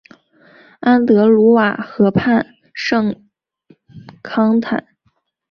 安德鲁瓦河畔圣康坦。